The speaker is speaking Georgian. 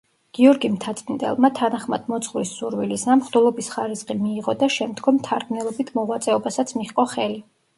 გიორგი მთაწმინდელმა, თანახმად მოძღვრის სურვილისა, მღვდლობის ხარისხი მიიღო და შემდგომ მთარგმნელობით მოღვაწეობასაც მიჰყო ხელი.